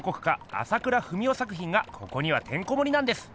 朝倉文夫作品がここにはてんこもりなんです。